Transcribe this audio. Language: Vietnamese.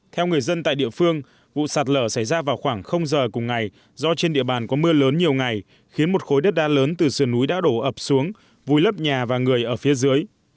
theo người dân tại địa phương vụ sạt lở xảy ra vào khoảng giờ cùng ngày do trên địa bàn có mưa lớn nhiều ngày khiến một khối đất đá lớn từ sườn núi đã đổ ập xuống vùi lấp nhà và người ở phía dưới